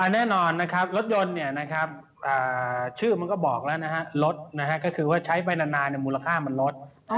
แน่นอนรถยนต์ชื่อมันก็บอกแล้วรถใช้ไปนานมูลค่ามันลด